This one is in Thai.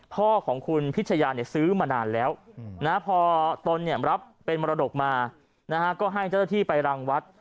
พ่อของคุณพิชยาซื้อมานานแล้วพอตนรับเป็นมรดกมาก็ให้เจ้าหน้าที่ไปรังวัด